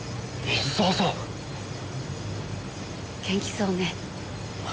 元気そうね。